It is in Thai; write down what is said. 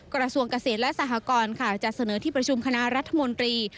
กระทรวงเกษตรและสหกรค่ะจะเสนอที่ประชุมคณะรัฐมนตรี